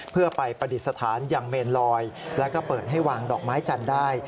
เพื่อไปประดิษฐานอย่างเมนลอยแล้วก็เปิดให้วางดอกไม้จันทร์ได้